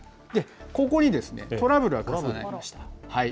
ここにトラブルが重なりました。